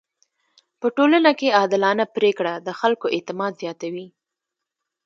په ټولنه کي عادلانه پریکړه د خلکو اعتماد زياتوي.